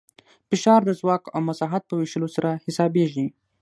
فشار د ځواک او مساحت په ویشلو سره حسابېږي.